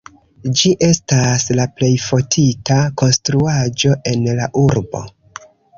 Ĝi estas la plej fotita konstruaĵo en la urbo.